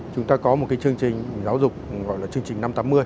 chúng ta có một cái chương trình giáo dục gọi là chương trình năm trăm tám mươi